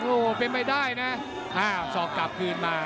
โอ้เป็นไม่ได้นะห้ามสอบกลับคืนมา